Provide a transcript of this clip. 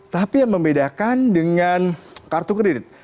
tapi yang membedakan dengan kartu kredit